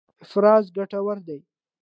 افراز ګټور دی.